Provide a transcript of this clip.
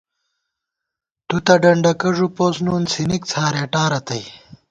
تُوتہ ڈنڈَکہ ݫُپوس نُن، څِھنِک څھارېٹا رتئ